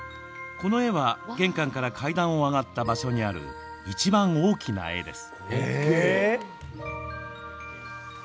この絵は、玄関から階段を上がった場所にある一番大きな絵です。